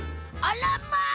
あらまあ！